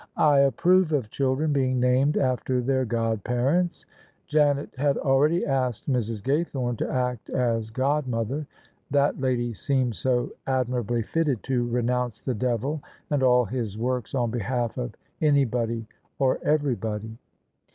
" I approve of children being named after their god parents." Janet had already asked Mrs. Gaythorne to act as godmother: that lady seemed so admira bly fitted to renounce the devil and all his works on behalf of anybody or everybody.